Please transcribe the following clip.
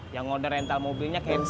yang ngorder rental mobilnya kenny